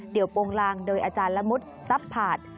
เดี่ยวปงลางโดยอาจารย์ละมุดซับผาด